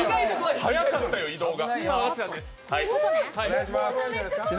早かったよ、移動が。